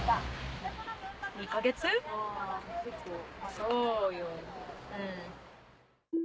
そうよ。